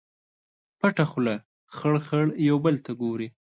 پټه خوله خړ، خړ یو بل ته ګوري